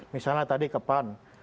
misalnya tadi ke pan